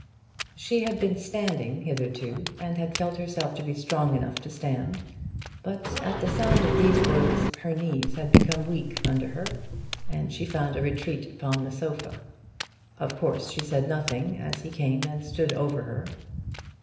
She had been standing hitherto and had felt herself to be strong enough to stand, but at the sound of these words her knees had become weak under her, and she found a retreat upon the sofa. Of course she said nothing as he came and stood over her.